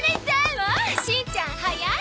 わあしんちゃん早い！